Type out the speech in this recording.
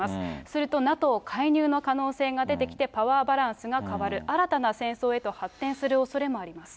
すると、ＮＡＴＯ介入の可能性が出てきて、パワーバランスが変わる、新たな戦争へと発展するおそれもあります。